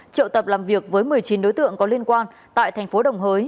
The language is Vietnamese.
triệu tập làm việc với một mươi chín đối tượng có liên quan tại thành phố đồng hới